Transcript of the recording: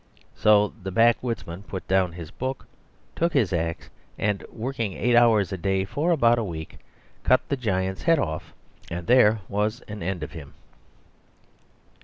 So the backwoodsman put down his book, took his axe and, working eight hours a day for about a week, cut the giant's head off; and there was an end of him.